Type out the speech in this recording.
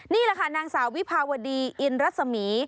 นี่แหละค่ะนางสาววิภาวดีอินรัศมี